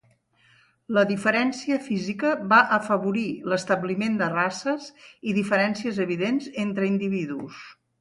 La diferència física va afavorir l'establiment de races i diferències evidents entre individus.